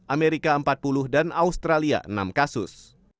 amerika empat puluh dan australia enam kasus